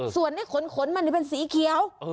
ส่วนที่ขนมันเป็นสีเขียว